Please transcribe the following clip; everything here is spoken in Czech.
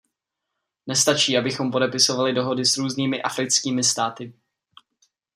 Nestačí, abychom podepisovali dohody s různými africkými státy.